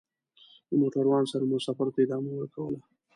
له موټروان سره مو سفر ته ادامه ورکوله.